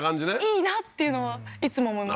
いいなっていうのはいつも思います